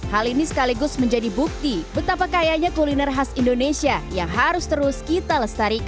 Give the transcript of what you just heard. hal ini sekaligus menjadi bukti betapa kayanya kuliner khas indonesia yang harus terus kita lestarikan